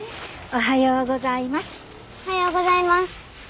おはようございます。